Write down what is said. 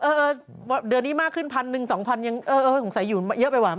เออเดือนนี้มากขึ้น๑๐๐๐๒๐๐๐โสงสัยอยู่เยอะไปกว่า